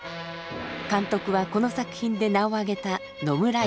監督はこの作品で名を上げた野村芳太郎。